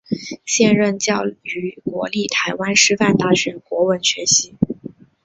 现任教于国立台湾师范大学国文学系。